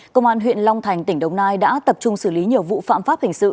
công an huyện long thành tỉnh đồng nai đã tập trung xử lý nhiều vụ phạm pháp hình sự